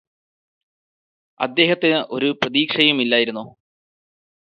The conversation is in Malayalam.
അദ്ദേഹത്തിന് ഒരു പ്രതീക്ഷയുമില്ലായിരുന്നോ